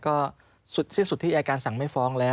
ก็สุดที่แอร์การสั่งไม่ฟ้องแล้ว